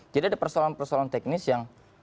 jadi ada persoalan persoalan teknis yang